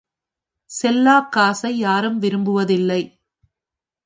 Shellac காசை யாரும் விரும்புவதில்லை.